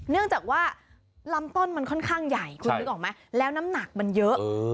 เนื่องจากว่าลำต้นมันค่อนข้างใหญ่คุณนึกออกไหมแล้วน้ำหนักมันเยอะ